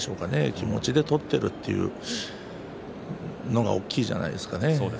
気持ちで取っているというのが大きいんじゃないでしょうかね。